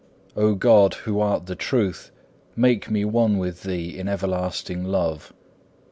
O God, who art the Truth, make me one with Thee in everlasting love.